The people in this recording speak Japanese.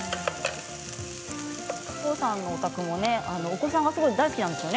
コウさんのお宅もお子さんが大好きなんですね